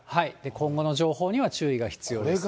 今後の情報には注意が必要です。